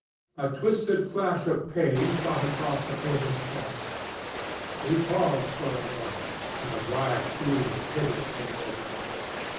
A twisted flash of pain shot across the painter's face. He paused for a moment, and a wild feeling of pity came over him.